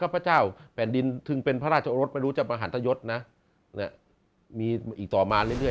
พระเจ้าแห่นดินข้ำได้รุสคห์นมีอยู่อีกต่อมาเรื่อย